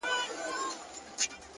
پرمختګ د جرئت او ثبات اولاد دی.